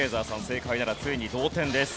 正解ならついに同点です。